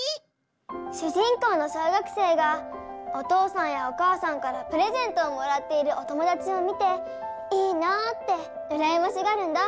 主人公の小学生がお父さんやお母さんからプレゼントをもらっているお友だちを見て「いいな」ってうらやましがるんだ。